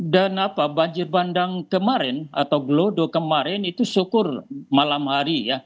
dan banjir bandang kemarin atau gelodo kemarin itu syukur malam hari ya